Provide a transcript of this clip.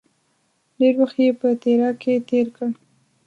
ډېر وخت یې په تیراه کې تېر کړ.